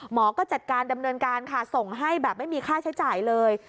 หมอก็จัดการดำเนินการค่ะส่งให้แบบไม่มีค่าใช้จ่ายเลย